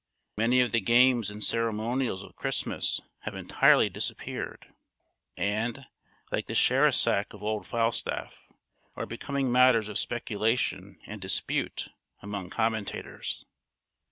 Many of the games and ceremonials of Christmas have entirely disappeared, and, like the sherris sack of old Falstaff, are become matters of speculation and dispute among commentators.